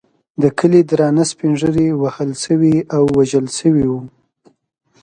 د کلي درانه سپین ږیري وهل شوي او وژل شوي وو.